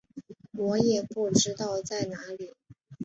我也不知道在哪里